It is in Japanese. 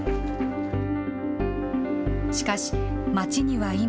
しかし、町には今、